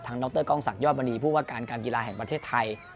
ทั้งนก้องศักย์ยอดบริผู้ว่าการกีฬาแห่งประเทศไทย